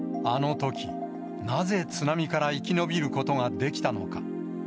あのとき、なぜ津波から生き延びることができたのか。